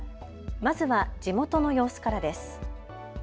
まずは地元の様子からです。